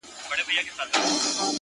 د سترگو سرو لمبو ته دا پتنگ در اچوم ـ